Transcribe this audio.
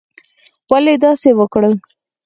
ولې دې داسې وکړل؟